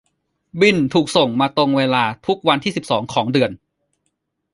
บิลถูกส่งมาตรงเวลาทุกวันที่สิบของเดือน